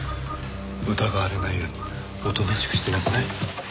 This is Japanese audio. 疑われないようにおとなしくしてなさい。